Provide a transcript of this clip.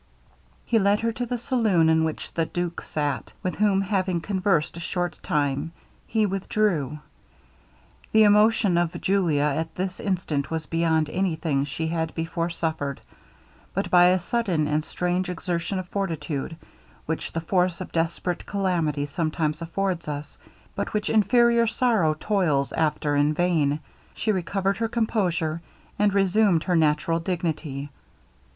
He led her to the saloon in which the duke sat, with whom having conversed a short time, he withdrew. The emotion of Julia at this instant was beyond any thing she had before suffered; but by a sudden and strange exertion of fortitude, which the force of desperate calamity sometimes affords us, but which inferior sorrow toils after in vain, she recovered her composure, and resumed her natural dignity.